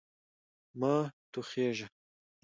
مه ټوخیژه